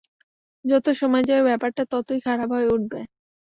যত সময় যাবে ব্যাপারটা ততই খারাপ হয়ে উঠবে।